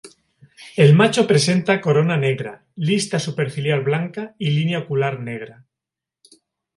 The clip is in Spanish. El macho presenta corona negra, lista superciliar blanca y línea ocular negra.